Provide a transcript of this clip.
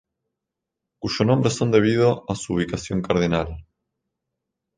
Cuyo nombres son debido a su ubicación cardinal.